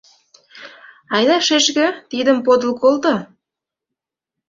— Айда, шешке, тидым подыл колто!